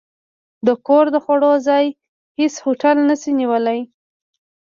د کور د خوړو، ځای هېڅ هوټل نه شي نیولی.